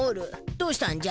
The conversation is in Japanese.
どうしたんじゃ？